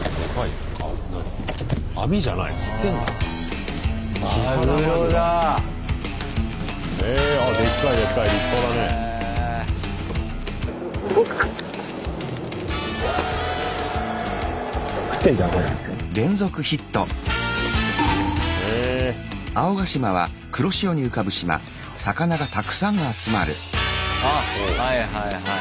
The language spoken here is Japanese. はいはいはい。